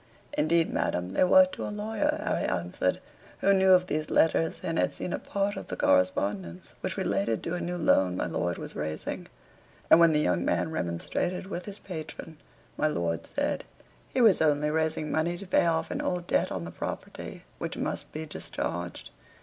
"Indeed, madam, they were to a lawyer," Harry answered, who knew of these letters, and had seen a part of the correspondence, which related to a new loan my lord was raising; and when the young man remonstrated with his patron, my lord said, "He was only raising money to pay off an old debt on the property, which must be discharged."